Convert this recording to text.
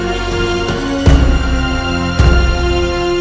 berdiri dalam kekuatan